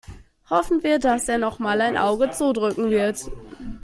Hoffen wir, dass er nochmal ein Auge zudrücken wird.